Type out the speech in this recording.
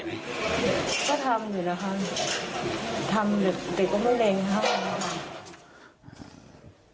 ก็ทำอยู่นะคะทำแต่ก็ไม่เล็งค่ะ